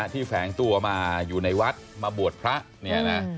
แฝงตัวมาอยู่ในวัดมาบวชพระเนี่ยนะ